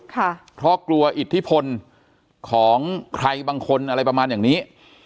เพราะกลัวอิทธิพลของใครบางคนอะไรประมาณอย่างนี้